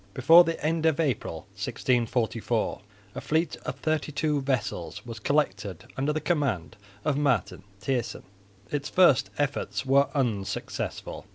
Before the end of April, 1644, a fleet of thirty two vessels was collected under the command of Marten Thijssen. Its first efforts were unsuccessful.